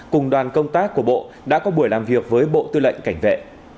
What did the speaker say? cùng đoàn công tác của bộ đã có buổi làm việc với bộ tư lệnh cảnh vệ